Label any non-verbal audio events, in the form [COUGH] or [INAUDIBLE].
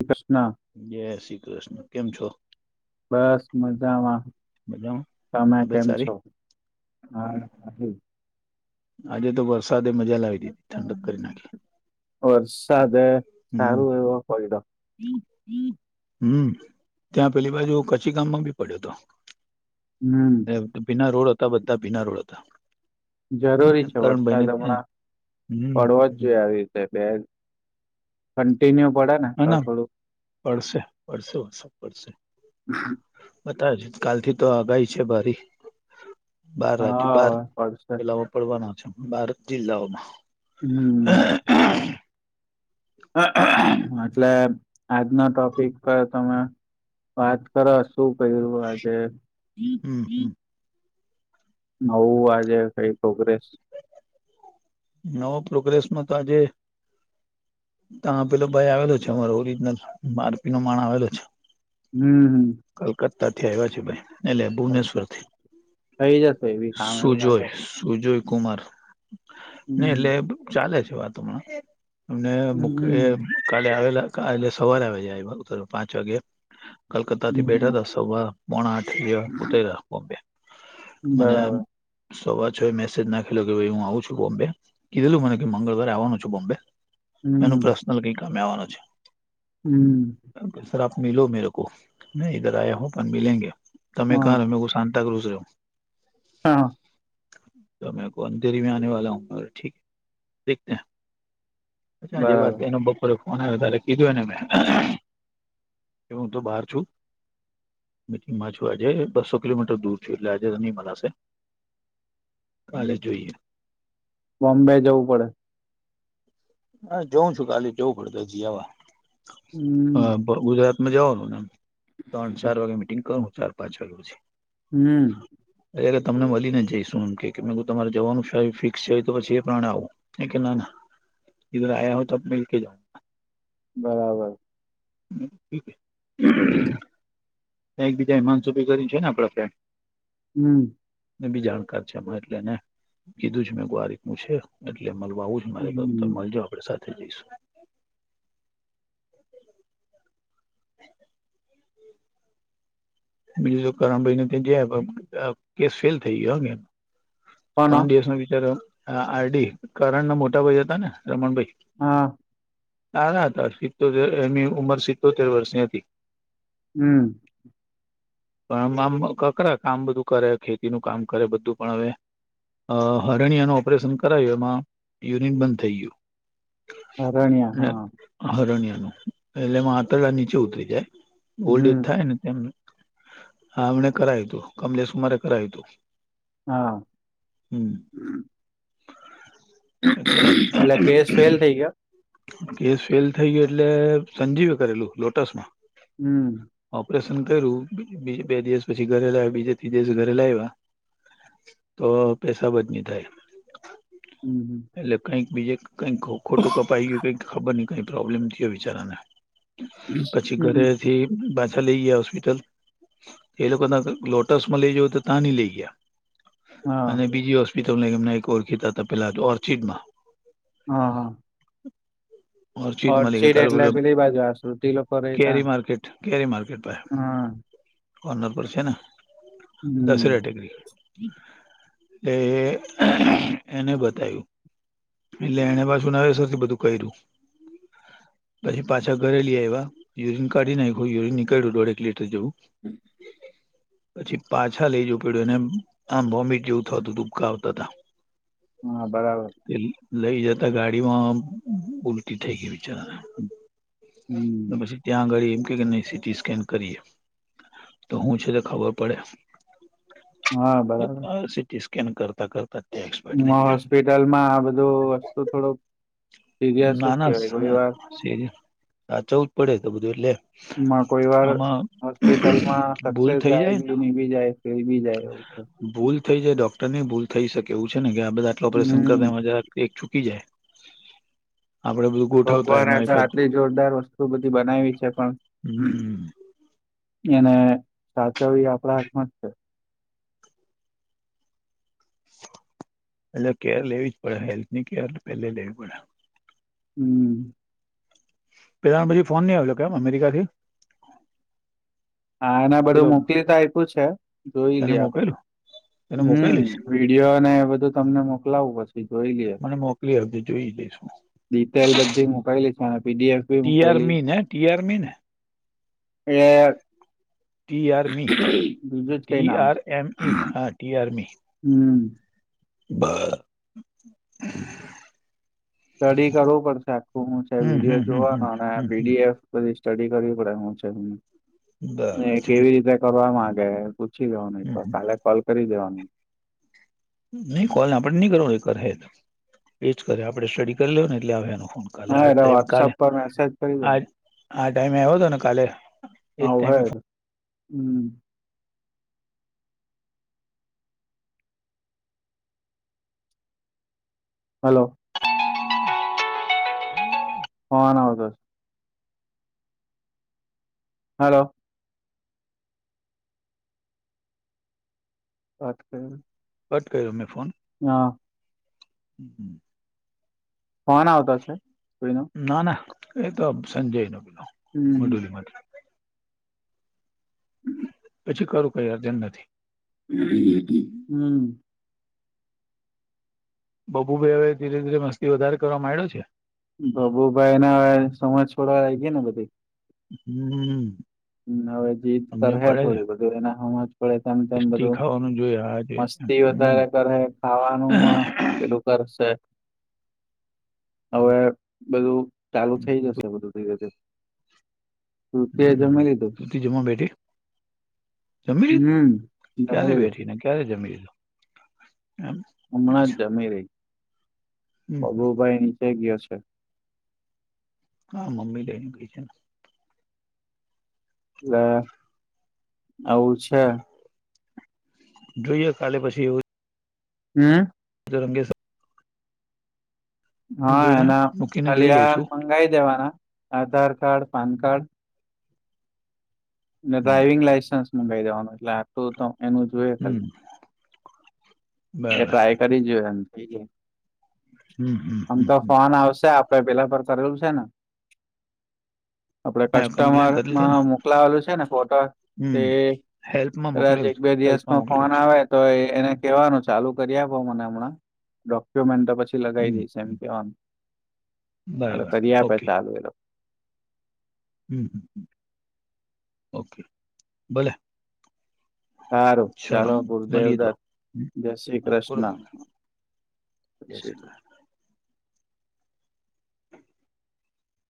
શ્રી કૃષ્ણ. જય શ્રી કૃષ્ણ કેમ છો? બસ મજામાં, મજામાં તમે તબિયત કેમ સારી છો? હા હતી. આજે તો વરસાદે મજા લાવી દીધી ઠંડક કરી નાખી. વરસાદ હમ સારું એવું પયડો. હું ત્યાં પેલી બાજુ કચ્છી ગામમાં બી પડ્યો હતો. હ. ભીના રોડ હતા બધા ભીના રોડ હતા. જરૂરી છે કરણભાઈ ને વરસાદ ત્યાં જ. હમણાં, હમ પડવો જ હમ. જોઈએ આવી રીતે બે કન્ટિન્યુ પડેને. ના ના પડશે પડશે પડશે. બધા જ કાલ થી તો આગાહી છે ભારી. બાર રાજ્યો બાર હા પડશે જિલ્લામાં પડવાના છે બાર જિલ્લાઓમાં. હ. એટલે આજના ટોપિક પર તમે વાત કરશું કર્યું આજે? હું હું. નવું આજે કંઈ પ્રોગ્રેસ નવો પ્રોગ્રેસમાં તો આજે તો પેલો ભાઈ આવેલો છે, અમારો ઓરિજનલ મારપી નો માણ આવેલો છે. હું હું. કલકત્તા થી આવ્યા છે ભાઈ. એટલે હમ ભુવનેશ્વરથી, થઈ જશે એવી કામ એવું શું લાગે જોય? સુજોય કુમાર, ને એટલે હમ ચાલે છે વાતો હમણાં. એમને એ હમ કાલે આવેલા કાલે સવારે આવી જાય આવીતર પાંચ વાગે. કરતાથી બેઠા હમ હતા સવાર પોણા આઠ ઉતર્યા બમ્બે, મને બરાબર સવાર છ મેસેજ નાખેલો કે ભાઈ હું આવું છું, બોમ્બે કીધેલું મને કે મંગળવારે આવવાનું છે, બોમ્બે એનું હમ પર્સનલ કંઈક અમે આવવાનું છે. હ સર આપ મીલો મેરે કો મેઈધર આયા હું પણ મિલગે તમે હા કારણ કો શાન ન્તાક્રુઝ રેવું. હા. તો મે કો અંધેરી મે આને વા હું ઠીક દેખતે અચ્છા જે વાત બરાબર એનો બપોરે. મને વધારે કીધુંને મેં હું તો બહાર છું. મીટિંગમાં છું, આજે બસો કિલોમીટર દૂર છું, એટલે આજે નહી મનાશે. કાલે જોઈએ. બોમ્બે જવું પડે. હા જઉં છું કાલે જવું પડે જી આવા હ. હમ ગુજરાત માં જવાનું નેમ ત્રણ ચાર વાગે મીટિંગ કરનું ચાર પાંચ વાગે પછી હમ અત્યારે તમને મળી ને જઈશું એમ કે મે તમારે જવાનું ફિક્સ છે હોય તો પછી એ પ્રાણે આવું એ કે ના ના ધર આયા હો ત મિલ કે જાઉ બરાબર. હમ [INAUDIBLE] [UNINTELLIGIBLE] એકબીજા હમાનસ સુભી કરી છે ને આપડ્યાં. હમ ને બી જાણકાર છે એટલે એને કીધું છે મેં ગ્વારીકું છે એટલે મળવા આવું મારે બાબતો હમ મળજો આપડે સાથે જઈશું બીજું તો કરણ ભાઈ ને ત્યાં જયા કેસ ફેલ થઈ ગયો એ કોણ ત્રણ દિવસ ન બચાર આરડી કરણ ના મોટાભાઈ હતા ને રમણભાઈ હા ના ના હતા સિત્તોતેર એમની ઉંમર સિતતોતેર વર્ષની હતી હમ પણ આમ કકરા કામ બધું કરે ખેતી નું કામ કરે બધું પણ હવે અ હરણિયાનું ઓપરેશન કરાયું એમાં યુરિન બંધ થઈ ગયું. હરણ્યા હા. ને હરણિયાનું એટલે એમાં આંતરળા નીચે ઉતરી જાય ઓલ્ડ એજ હમ થાય ને તેમ. હમણે કરાયુ હતું કમલેશ કુમારે કરાયુ હતું. હા. હમ [INAUDIBLE] [UNINTELLIGIBLE] એટલે કેસ ફેલ થઈ ગયા. કેસ ફેલ થઈ ગયો એટલે સંજીવે કરેલું લોટસ માં. હમ. ઓપરેશન કર્યું બે દિવસ પછી ઘરે લાવ્યા બીજે ત્રી દિવસ ઘરે લાવ્યા. તો પેસાબ જ નિ થાય હમ હમ [INAUDIBLE] [UNINTELLIGIBLE] એટલે કઈક બીજે કઈ ખોટું કપાઈ ગયું કઈક ખબર નઈ કઈ પ્રોબ્લેમ થયો બીચારાને પછી હમ ઘરેથી પાછા લઈ ગયા હોસ સ્પિટલ એ લોકો ત લોટસ માં લઈ જવ તો ત્યાં નહી લઈ ગયા. અને હા બીજી હોસ્પિટલ એમ એક ઓળખીતા હતા પેલા ઓર્ચિડ માં હા હા. [UNINTELLIGIBLE] ઓર્ચિટ માલિક ઓર્ચિડ તાર એટલે બોલો પેલી બાજુ આ શ્રુતિ લોકો રેતા કેરી માર્કેટ કેરી માારકેટ પર. હા કોર્નર પર છે ને દશેરા હમ ટેકરી. એટલે એને બતાયું એટલે એને પાસે. જના સરથી બધું કર્યું. પછી પાછા ઘરેલી આ એવા યુરીન કાઢી નાખું યુરીન નીકળ્યું દોઢ એક લીટર જેવું. પછી પાછા લઇ જવું પડ્યું અનેને આમ વોમિટ જેવું થ હતું ડુંબકા આવતા હતા. હા બરાબર. લઈ જતા ગાડીમાં ઉલટી થઈ ગઈ બિચારા. હ હમ પછી. ત્યાં આગળ એમ કે કે નહી સીટી સ્કેન કરીએ તો હું છે તો ખબર પડે. હા બરાબર સીટી સ્કેન કરતા કરતા ટે. હોસ્પિટલમાં આ બધું વસ્તુ થોડોક સિરિયસ જ કેહેવાય કોઈ વાર. ે હા ચવ જ પડે તો બધું એટલે. માં કોઈ વાર આમાં હોસ્પિટલમાં ભૂલ સક્સેસ થઈ જાય બી બી જાય. કે બી જાય એવ. ભૂલ થઈ જાય ડોક્ટર ની ભૂલ થઈ શકે એવું છે ને કે આ બધા આટલા ઓપરેશન હમ કરમાં જ. એક ચૂકી જાય. આપડે બધું ગોઠવતા ભગવાને એમાં તો એકાદ આટલી જોરદાર વસ્તુ બધી બનાવી છે પણ. હમ એને સાચવવી આપણા હાથમાં જ છે. એટલે કેર લેવી જ પડે હેલ્થ ની કેર તો પેલે લેવી પડે. હમ. પેલા પછી ફોન નહં આવ્યો કેમ અમેરિકાથી. હા એને બધું પેલો મોકલીતા આપ્યું છે જોઈ તને લઈએ આપડે. મોકલું તને હમ મોકલીશ વિડીિયો અને એ બધું તમને મોકલાવું પછી જોઈ લએ. એ તો જોઈ લઈેશું. ડીટેલ બધી મોકાયલી છેને પીડીએફ. બી ટીઆર મોકલી મીન હ ટીઆર મીન એ. ટીઆર મી બીજું જ કઈ નામ ટીઆર છે એમ ઇ હા ટીઆર મી. હમ. બ. સ્ટડી કરવું પડશે આખું હું છે હમ વિડીયો હમ હમ જોવાનો અને હમ હમ પીડીએફ. બધી સ્ટડી કરવી પડે હું બરાબર છે છે કેવી રીતે કરવા માંગે. પૂછી ગવા નહીિ હમ પણ હમ કાલે કોલ કરી દેવાનું. નહી કોલ આપડે નહી કર એ કરે એ જ કરે આપણે સ્ટડી કરી લેવ ને એટલે આવ એનો ફોન કર. કાલે હા આ એટલે ટાઈમ કાલે વોટ્સઅપ પર મેસેજ કરી આ દેવાનો આ ટાઈમે આવ્યો હતો ને કાલે. એજ ટાઈમે હવે હમ. હલો. હન તો. હાલલો. વાત કર. કટ કર્યો મેં ફોન. હા. હમ હમ. ફોન આવતા છે કોઈનો. ના ના એતો સંજય ન બેલો હમ મડુલીમાં. કરરું કઈજમ નથી. હમ. બબુ ભાઈ હવે ધીરે ધીરે મસ્તી વધારે કરવા માંડ્યો છે. ભભુભાઈ ના સમજ છોડવા લ ગયા ને બધી. હમ. મ હવે જીત સમજ કર હે પડે છે થોડી બધું એના હ. પડે તેમ તેમ ટેસ્ટી બધું ખાવાનું જોઈએ આ જોઈએ મસ્તી હમ વધારે કરે ખાવાનું પેલું કરશેે હવે બધું ચાલુ થઈ જશે બધું ધીરે ધીરે તું તે્યા જમા તથી જમ બેઠી જમી હમ જમી ક્યારે લીધું બેઠીને ક્યારે જમીીું એમ હમણાં જ અચ્છા જમી રહી હમ બબુભાઈ નીચે ગયો છે હા મમ્મી લઈને કઈ છે ને એ આવું છે જોઈએ કાલે પછી એવું હમ જો રંગે સાથે હા જોઈને એના મૂકીને ખાલી જોઈ આ લઈશું મંગાઈ દેવાના Aadhaar card PAN card driving licence મંગાવી દવાનું એટલે આટ તો એનું જોઈએ હમ ખાલી એ બરાબર ટ્રાય કરી જોય એમ થ હમ હમ આમ તો હમ ફોન આવશે પેલા પર ચલું છે ને હ આપડે કસ્ટમરમાં મોકલાવેલું છે ને ફોટો તે હમ હેલ્પમાં કાજ મોકલેલ એક છે બે હેલ્પમાં દિવસમાં મોકલેલ ફોન છે આવે તો એને કેવાનું ચાલુ કરી આપો મને હમણાં ડોક્યુમેન્ટ પછી લગાવી હમ દઈમ કે એ બરાબર કરી આપે ઓકે ચાલુ એ હ હ હ ઓકે ભલે સારું સાલો ચાલો મલ ગુરુદેવ તો દત્ત જય શ્રી હ કો દ કૃષ્ણ જય શ્રી